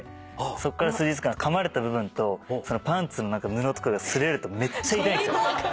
そっから数日間かまれた部分とパンツの布とかが擦れるとめっちゃ痛いんですよ。